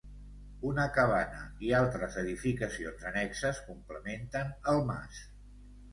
Una cabana i altres edificacions annexes complementen el mas.